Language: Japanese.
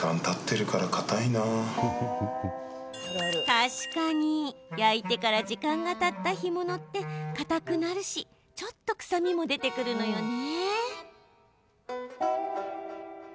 確かに焼いてから時間がたった干物ってかたくなるし、ちょっと臭みも出てくるのよね。